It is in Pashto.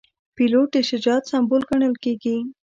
پیلوټ د شجاعت سمبول ګڼل کېږي.